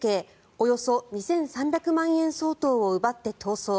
およそ２３００万円相当を奪って逃走。